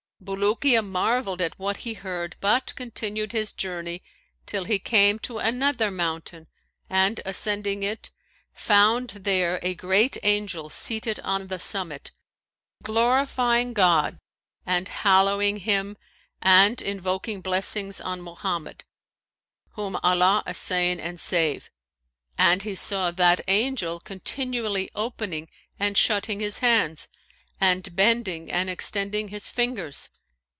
Bulukiya marvelled at what he heard but continued his journey till he came to another mountain and ascending it, found there a great Angel seated on the summit, glorifying God and hallowing Him and invoking blessings on Mohammed (whom Allah assain and save!), and he saw that Angel continually opening and shutting his hands and bending and extending his fingers.